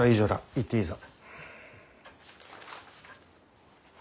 行っていいぞ。